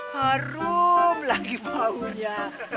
barum lagi baunya